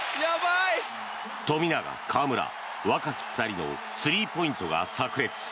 富永、河村若き２人のスリーポイントがさく裂。